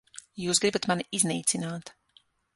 Jūs gribat mani iznīcināt.